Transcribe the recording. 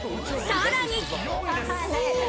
さらに。